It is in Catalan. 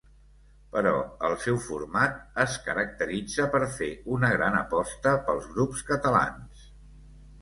Però el seu format es caracteritza per fer una gran aposta pels grups catalans.